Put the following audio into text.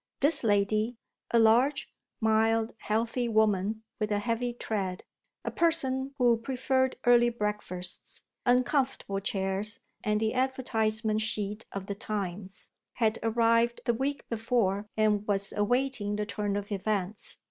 This lady, a large, mild, healthy woman with a heavy tread, a person who preferred early breakfasts, uncomfortable chairs and the advertisement sheet of the Times, had arrived the week before and was awaiting the turn of events.